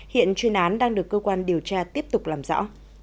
hiện chuyên án đang được cơ quan điều tra tiếp tục làm rõ